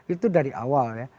itu dari awal ya